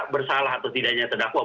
bersalah atau tidaknya terdakwa